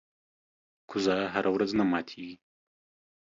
کوزه هره ورځ نه ماتېږي.